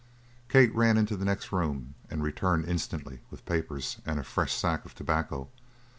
Kate ran into the next room and returned instantly with papers and a fresh sack of tobacco.